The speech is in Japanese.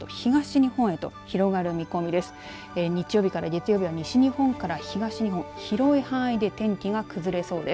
日曜日から月曜日は西日本から東日本広い範囲で天気が崩れそうです。